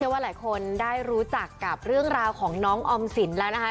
ว่าหลายคนได้รู้จักกับเรื่องราวของน้องออมสินแล้วนะคะ